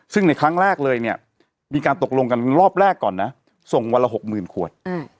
ซึ่งในครั้งแรกเลยเนี่ยมีการตกลงกันรอบแรกก่อนนะส่งวันละ๖๐๐๐ขวด